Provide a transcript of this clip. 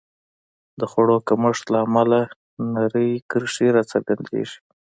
د خوړو کمښت له امله نرۍ کرښې راڅرګندېږي.